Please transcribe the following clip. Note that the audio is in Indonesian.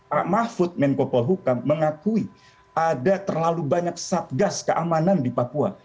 pak mahfud menko polhukam mengakui ada terlalu banyak satgas keamanan di papua